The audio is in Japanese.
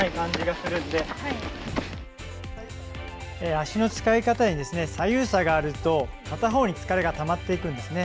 脚の使い方に左右差があると片方に疲れがたまっていくんですね。